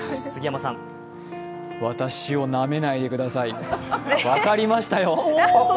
私をなめないでください、分かりましたよ。